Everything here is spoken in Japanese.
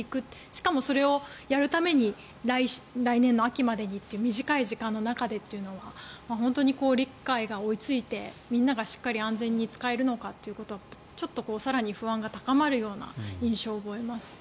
しかも、それをやるために来年の秋までという短い時間の中でというのは本当に理解が追いついてみんながしっかり安全に使えるのかちょっと更に不安が高まるような印象を覚えます。